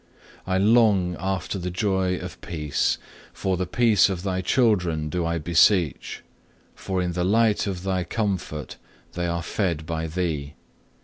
2. I long after the joy of peace; for the peace of Thy children do I beseech, for in the light of Thy comfort they are fed by Thee.